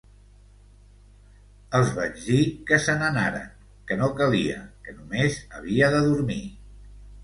Els vaig dir que se n'anaren, que no calia, que només havia de dormir.